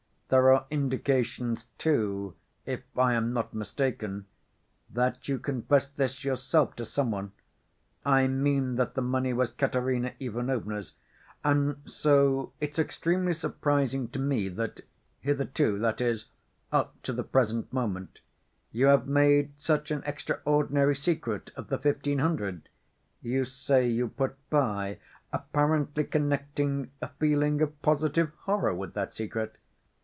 There are indications, too, if I am not mistaken, that you confessed this yourself to some one, I mean that the money was Katerina Ivanovna's, and so, it's extremely surprising to me that hitherto, that is, up to the present moment, you have made such an extraordinary secret of the fifteen hundred you say you put by, apparently connecting a feeling of positive horror with that secret....